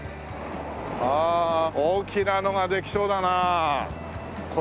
ああ大きなのができそうだなこれは。